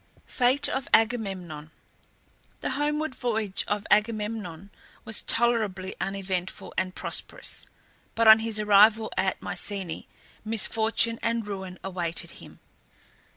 FATE OF AGAMEMNON. The homeward voyage of Agamemnon was tolerably uneventful and prosperous; but on his arrival at Mycenae misfortune and ruin awaited him.